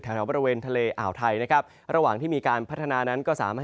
แถวบริเวณทะเลอ่าวไทยนะครับระหว่างที่มีการพัฒนานั้นก็สามารถ